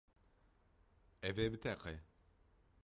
Ev ê biteqe.